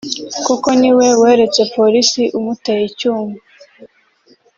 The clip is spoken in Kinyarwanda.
kuko ni we weretse Polisi umuteye icyuma